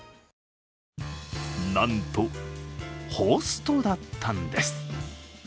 なんとホストだったんです。